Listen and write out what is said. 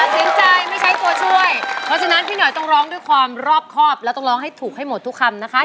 เต็มใจไม่ใช้ตัวช่วยเพราะฉะนั้นพี่หน่อยต้องร้องด้วยความรอบครอบแล้วต้องร้องให้ถูกให้หมดทุกคำนะคะ